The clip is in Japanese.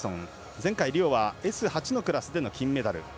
前回リオはＳ８のクラスでの金メダル。